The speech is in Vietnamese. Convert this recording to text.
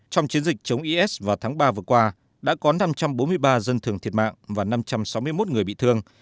trong chiến dịch chống is vào tháng ba vừa qua đã có năm trăm bốn mươi ba dân thường thiệt mạng và năm trăm sáu mươi một người bị thương